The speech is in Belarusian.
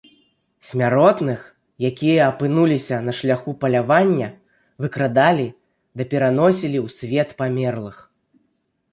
Смяротных, якія апынуліся на шляху палявання, выкрадалі ды пераносілі ў свет памерлых.